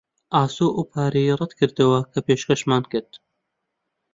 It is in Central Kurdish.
ئاسۆ ئەو پارەیەی ڕەت کردەوە کە پێشکەشمان کرد.